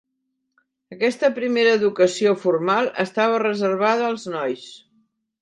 Aquesta primera educació formal estava reservada als nois.